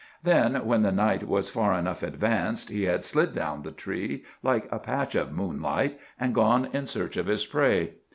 Then, when the night was far enough advanced, he had slid down the tree like a patch of moonlight, and gone in search of his prey.